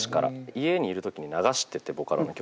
家にいる時に流しててボカロの曲。